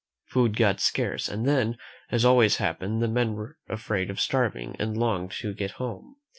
Food got scarce, and then, as always happens, the men were afraid of starving and longed to get home.